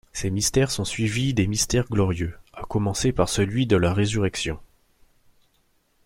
Ces mystères sont suivis des mystères glorieux, à commencer par celui de la Résurrection.